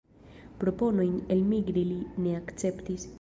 Proponojn elmigri li ne akceptis.